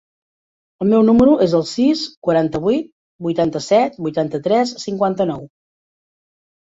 El meu número es el sis, quaranta-vuit, vuitanta-set, vuitanta-tres, cinquanta-nou.